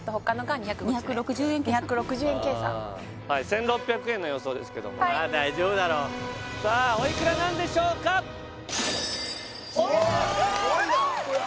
２６０円計算２６０円計算１６００円の予想ですけども大丈夫だろうさあおいくらなんでしょうかすごい！